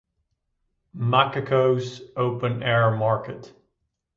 Machakos open air market.